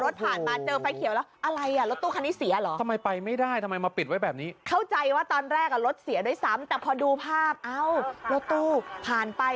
ต้องแยกนี้ค่ะ